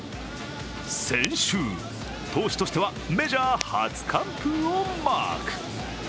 先週、投手としてはメジャー初完封をマーク。